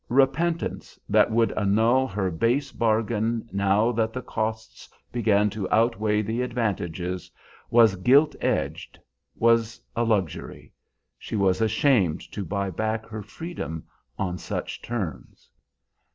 Repentance, that would annul her base bargain now that the costs began to outweigh the advantages, was gilt edged, was a luxury; she was ashamed to buy back her freedom on such terms.